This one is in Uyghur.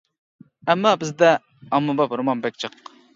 ئەمما بىزدە ئاممىباب رومان بەك جىق.